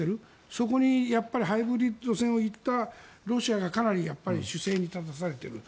そこにハイブリッド戦を行ったロシアがかなり守勢に立たされている。